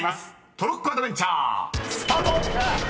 トロッコアドベンチャースタート！］